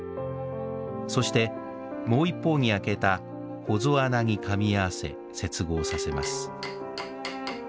そしてもう一方に開けた「ほぞ穴」にかみ合わせ接合させます